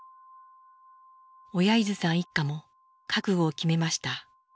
小柳津さん一家も覚悟を決めました。